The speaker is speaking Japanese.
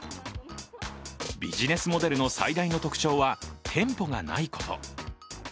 ビジネスモデルの最大の特徴は店舗がないこと。